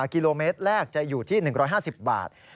กิโลเมตรแรกจะอยู่ที่๑๕๐บาท